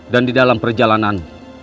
dan di dalam perjalanan